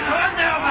お前。